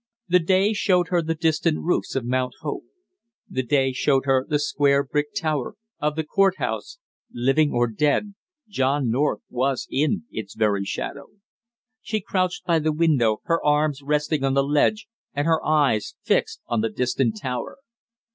The day showed her the distant roofs of Mount Hope; the day showed her the square brick tower of the court house living or dead, John North was in its very shadow. She crouched by the window, her arms resting on the ledge and her eyes fixed on the distant tower.